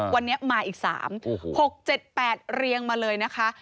วันนี้มาอีก๓๖๗๘เรียงมาเลยนะคะ